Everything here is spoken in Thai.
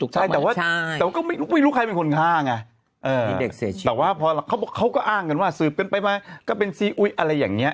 ใช่แต่ก็ไม่รู้ใครเป็นคนข้างแต่พอเขาก็อ้างกันว่าสืบกันไปมาก็เป็นซีอุ๊ยอะไรอย่างนี้